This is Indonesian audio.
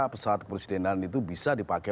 pesawat kepresidenan itu bisa dipakai